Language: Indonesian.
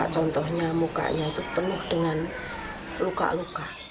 contohnya mukanya itu penuh dengan luka luka